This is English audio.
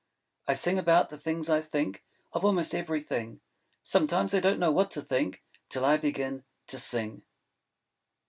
I sing about the things I think Of almost everything. Sometimes I don't know what to Think Till I begin to Sing.